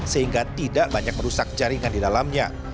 sehingga tidak banyak merusak jaringan di dalamnya